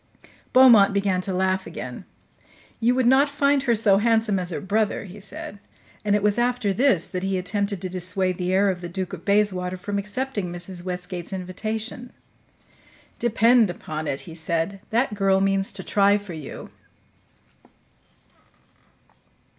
Beaumont began to laugh again. "You would not find her so handsome as her brother," he said; and it was after this that he attempted to dissuade the heir of the Duke of Bayswater from accepting Mrs. Westgate's invitation. "Depend upon it," he said, "that girl means to try for you."